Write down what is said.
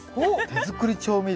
手作り調味料？